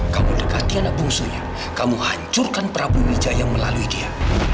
kamu dekati anak bungsunya kamu hancurkan prabu wijaya melalui dia